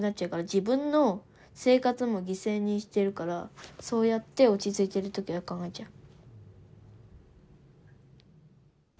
自分の生活も犠牲にしてるからそうやって落ち着いてる時は考えちゃう。